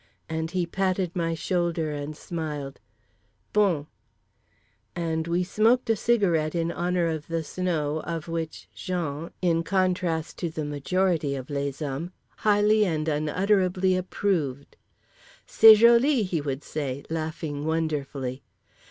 And he patted my shoulder and smiled, "Bon!" And we smoked a cigarette in honour of the snow, of which Jean—in contrast to the majority of les hommes—highly and unutterably approved. "C'est jolie!" he would say, laughing wonderfully.